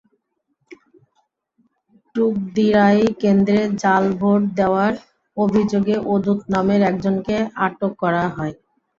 টুকদিরাই কেন্দ্রে জাল ভোট দেওয়ার অভিযোগে ওদুদ নামের একজনকে আটক করা হয়।